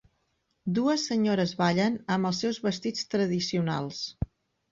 Dues senyores ballen amb els seus vestits tradicionals.